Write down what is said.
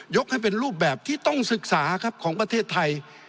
ให้เป็นรูปแบบที่ต้องศึกษาครับของประเทศไทย